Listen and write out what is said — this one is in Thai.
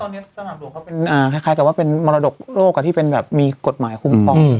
สนามหลวงเขาเป็นคล้ายจะเป็นมรดกโรคที่มีกฎหมายคุ้มพร้อม